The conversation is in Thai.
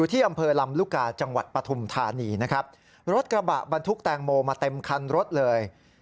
แทนที่จะไปอยู่ตามแผงเกลือนเต็มถนนเลย